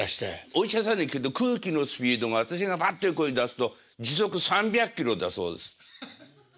お医者さんに聞くと空気のスピードが私がバッていう声を出すと時速３００キロだそうです。